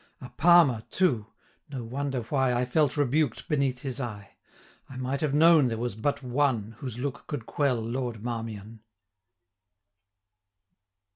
A Palmer too! no wonder why I felt rebuked beneath his eye: 535 I might have known there was but one, Whose look could quell Lord Marmion.'